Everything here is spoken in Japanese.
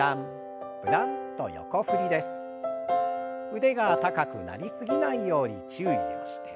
腕が高くなりすぎないように注意をして。